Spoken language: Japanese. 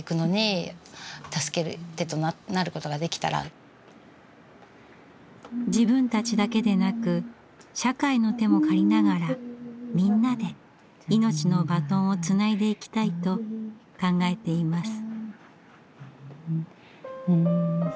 そういう自分たちだけでなく社会の手も借りながらみんなで命のバトンをつないでいきたいと考えています。